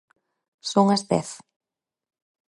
Son as dez.